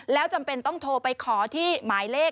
แล้วจำเป็นต้องโทรไปขอที่หมายเลข